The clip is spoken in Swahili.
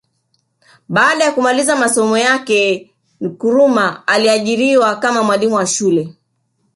Baada ya kumaliza masomo yake Nkrumah aliajiriwa kama mwalimu wa shule